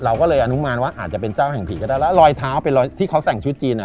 เราก็เลยอนุมานว่าอาจจะเป็นเจ้าแห่งผีก็ได้แล้วรอยเท้าเป็นรอยที่เขาแต่งชุดจีนอ่ะ